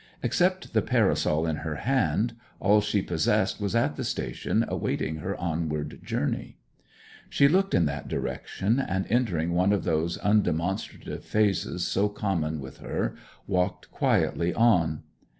Except the parasol in her hand, all she possessed was at the station awaiting her onward journey. She looked in that direction; and, entering one of those undemonstrative phases so common with her, walked quietly on.